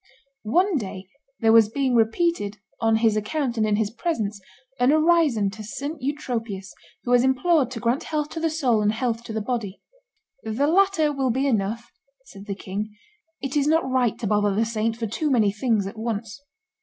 One day there was being repeated, on his account and in his presence, an orison to St. Eutropius, who was implored to grant health to the soul and health to the body. "The latter will be enough," said the king; "it is not right to bother the saint for too many things at once."